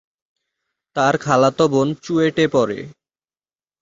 তার খালাতো বোন চুয়েটে পড়ে।